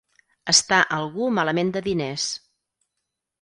Estar algú malament de diners.